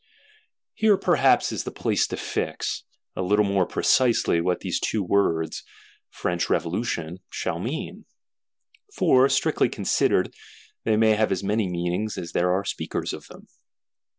Here perhaps is the place to fix, a little more precisely, what these two words, French Revolution, shall mean; for, strictly considered, they may have as many meanings as there are speakers of them.